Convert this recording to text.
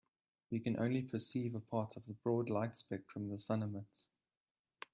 We can only perceive a part of the broad light spectrum the sun emits.